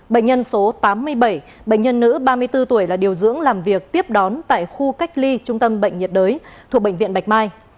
bệnh nhân số tám mươi bảy bệnh nhân nữ ba mươi bốn tuổi là điều dưỡng làm việc tiếp đón tại khu cách ly trung tâm bệnh nhiệt đới thuộc bệnh viện bạch mai